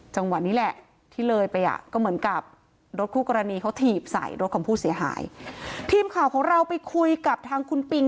จังหวะนี้แหละที่เลยไปอ่ะก็เหมือนกับรถคู่กรณีเขาถีบใส่รถของผู้เสียหายทีมข่าวของเราไปคุยกับทางคุณปิง